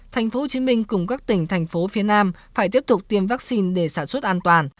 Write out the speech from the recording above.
tp hcm cùng các tỉnh thành phố phía nam phải tiếp tục tiêm vaccine để sản xuất an toàn